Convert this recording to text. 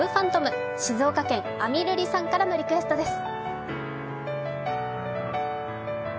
静岡県、あみるりさんからのリクエストです。